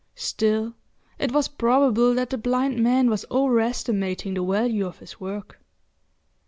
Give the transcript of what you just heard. Still, it was probable that the blind man was overestimating the value of his work.